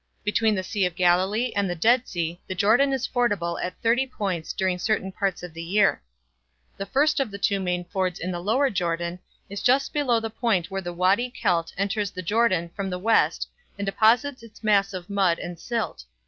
Between the Sea of Galilee and the Dead Sea the Jordan is fordable at thirty points during certain parts of the year. The first of the two main fords in the lower Jordan is just below the point where the Wady Kelt enters the Jordan from the west and deposits its mass of mud and silt.